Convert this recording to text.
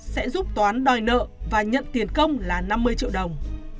sẽ giúp toán đòi nợ và nhận tiền công là năm mươi triệu đồng